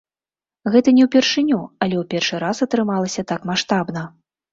Гэта не ўпершыню, але ў першы раз атрымалася так маштабна.